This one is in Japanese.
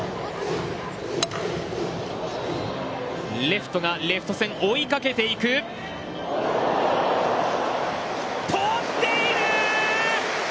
レフトがレフト線、追いかけていく捕っている！！